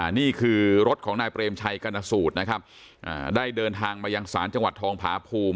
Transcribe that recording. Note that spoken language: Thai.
นี่คือรถของนายเปรมชัยกรณสูตรนะครับได้เดินทางมายังศาลจังหวัดทองผาภูมิ